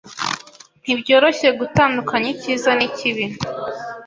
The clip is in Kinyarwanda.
Ntibyoroshye gutandukanya icyiza n'ikibi.